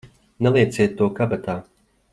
Nelieciet to kabatā!